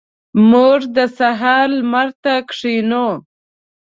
موږ د سهار لمر ته کښینو.